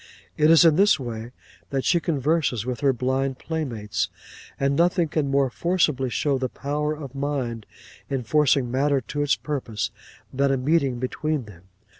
It is in this way that she converses with her blind playmates, and nothing can more forcibly show the power of mind in forcing matter to its purpose than a meeting between them.